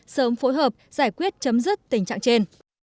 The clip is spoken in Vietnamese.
sớm phối hợp giải quyết chấm dứt tình trạng trên